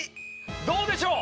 どうでしょう！？